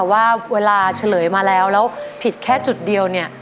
ว่าเวลาเฉลยมาแล้วแล้วผิดแค่จุดเดียวเนี่ย